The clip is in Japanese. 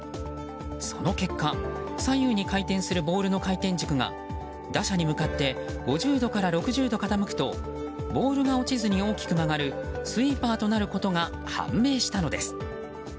その結果左右に回転するボールの回転軸が打者に向かって５０度から６０度、傾くとボールが落ちずに大きく曲がるスイーパーとなることが判明したのです。